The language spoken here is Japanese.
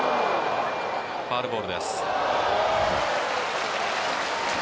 ファウルボールです。